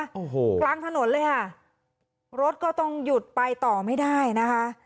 โอ้โหกลางถนนเลยค่ะรถก็ต้องหยุดไปต่อไม่ได้นะคะ